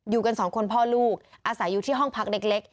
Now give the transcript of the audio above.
กันสองคนพ่อลูกอาศัยอยู่ที่ห้องพักเล็ก